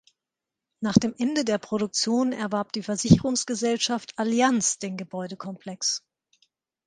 Nach dem Ende der Produktion erwarb die Versicherungsgesellschaft Allianz den Gebäudekomplex.